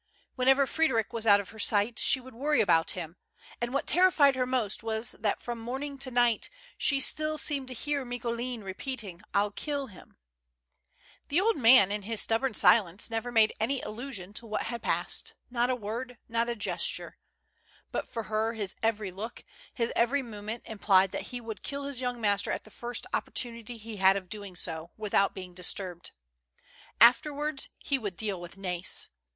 Whenever Frederic was out of her sight, she would worry about him; and what terrified her most was that from morning to night she still seemed to hear Micoulin repeating, "I'll kill him 1 " The old man in his stubborn silence never made any allusion to what had passed, not a word, not a ges ture; but for her his every look, his every movement implied that he would kill his young master at the first opportunity he had of doing so, without being disturbed. Afterwards he would deal with Nais.